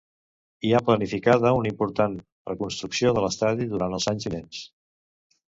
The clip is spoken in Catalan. Hi ha planificada una important reconstrucció de l'estadi durant els anys vinents.